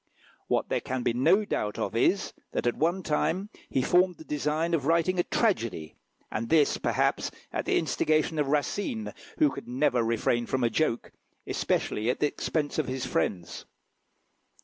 What there can be no doubt of is, that at one time he formed the design of writing a tragedy, and this, perhaps, at the instigation of Racine, who could never refrain from a joke, especially at the expense of his friends.